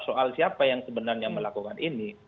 soal siapa yang sebenarnya melakukan ini